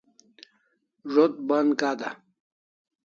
Zo't ban kada